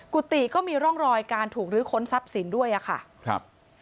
กุฏิก็มีร่องรอยการถูกหรือค้นทรัพย์สินด้วยค่ะ